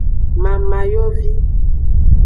Mamayovi.